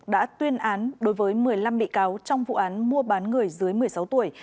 đã tuyên án đối với một mươi năm bị cáo trong vụ án mua bán người dưới một mươi sáu tuổi